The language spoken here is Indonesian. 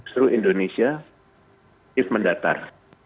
terus indonesia is mendatar